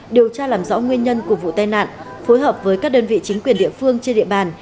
điều tra làm rõ nguyên nhân của vụ tai nạn phối hợp với các đơn vị chính quyền địa phương trên địa bàn